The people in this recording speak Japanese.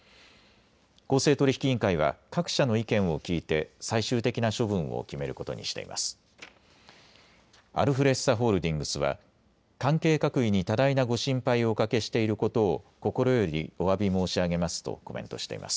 公正取引委員会は各社の意見を聞いて最終的な処分を決めることにしています。